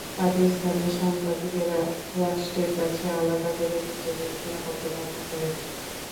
পাকিস্তানের সাংবাদিকেরা রাষ্ট্রের কাছে আলাদা করে নিজেদের নিরাপত্তা দাবি করেন না।